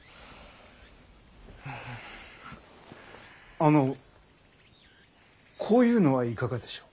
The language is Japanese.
あのこういうのはいかがでしょう。